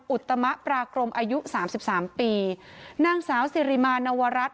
อุตมะปรากรมอายุสามสิบสามปีนางสาวสิริมาณวรัฐ